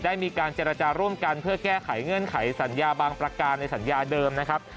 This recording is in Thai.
ได้มีการเจรจาร่วมกันเพื่อแก้ไขเงื่อนไขสัญญาบางประการในสัญญาเดิมนะครับ